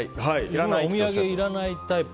お土産いらないタイプ？